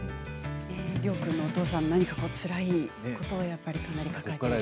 亮君のお父さん、何かつらいことをかなり抱えている感じ。